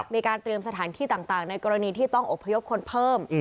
มีการเตรียมสถานที่ต่างในกรณีที่ต้องอบพยพคนเพิ่ม